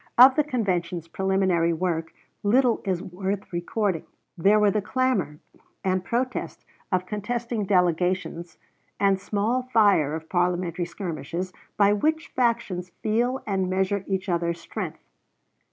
Of the convention's preliminary work little is worth recording there were the clamor and protest of contesting delegations and small fire of parliamentary skirmishes, by which factions feel and measure each other's strength.